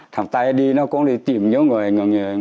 thằng tây đi nó cũng đi tìm những người